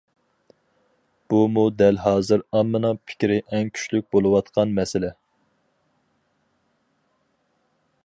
بۇمۇ دەل ھازىر ئاممىنىڭ پىكرى ئەڭ كۈچلۈك بولۇۋاتقان مەسىلە.